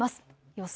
予想